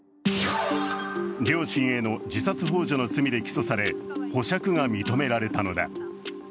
両親への自殺ほう助の罪で起訴され、保釈が認められたのだ。